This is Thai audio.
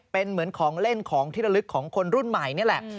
เป็นเหมือนของเล่นของที่ระลึกของคนรุ่นใหม่นี่แหละ